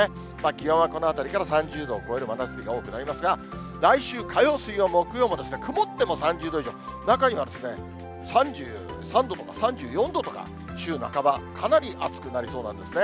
気温はこのあたりから３０度を超える真夏日が多くなりますが、来週火曜、水曜、木曜も、曇っても３０度以上、中には３３度とか、３４度とか、週半ば、かなり暑くなりそうなんですね。